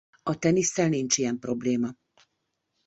A tenisszel nincs ilyen probléma.